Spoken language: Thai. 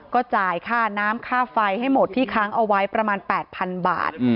ก็จ่ายค่าน้ำค่าไฟให้หมดที่ค้างเอาไว้ประมาณ๘๐๐๐บาท